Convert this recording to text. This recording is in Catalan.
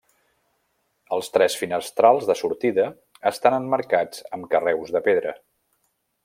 Els tres finestrals de sortida estan emmarcats amb carreus de pedra.